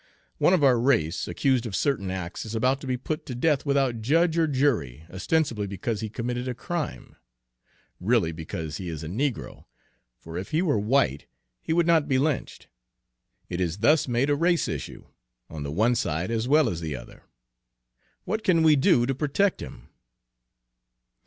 One of our race, accused of certain acts, is about to be put to death without judge or jury, ostensibly because he committed a crime, really because he is a negro, for if he were white he would not be lynched. It is thus made a race issue, on the one side as well as on the other. What can we do to protect him?"